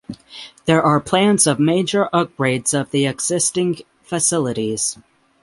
There are plans of major upgrades of the existing facilities.